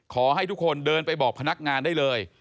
ขอให้ทุกคนเดินไปบอกพนักงานได้เลย